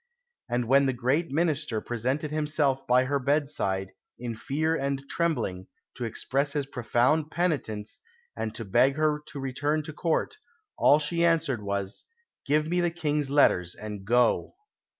And when the great minister presented himself by her bedside, in fear and trembling, to express his profound penitence and to beg her to return to Court, all she answered was, "Give me the King's letters and go!"